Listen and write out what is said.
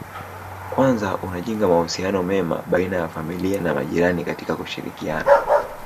Kwanza unajenga mahusiano mema baina ya familia na majirani katika kushirikiana